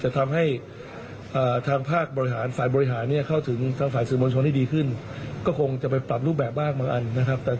ไปปรับรูปแบบบ้างบางอันนะครับ